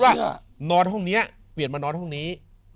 นอนห้องนี้เปลี่ยนมานอนห้องนี้